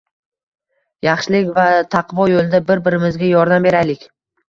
Yaxshilik va taqvo yoʻlida bir birimizga yordam beraylik...